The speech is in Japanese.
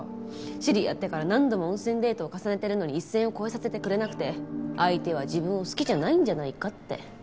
知り合ってから何度も温泉デートを重ねてるのに一線を越えさせてくれなくて相手は自分を好きじゃないんじゃないかって。